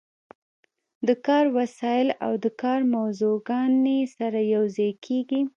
د کار وسایل او د کار موضوعګانې سره یوځای کیږي.